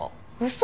嘘！？